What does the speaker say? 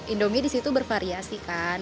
indomie di situ bervariasi kan